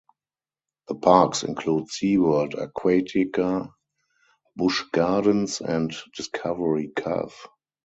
The parks include SeaWorld, Aquatica, Busch Gardens and Discovery Cove.